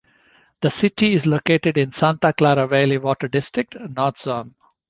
The city is located in Santa Clara Valley Water District, North Zone.